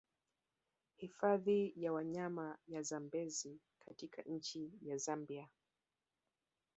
Hifadhi ya wanyama ya Zambezi katika nchi ya Zambia